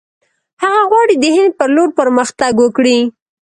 هغه غواړي د هند پر لور پرمختګ وکړي.